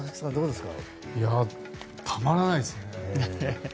たまらないですね。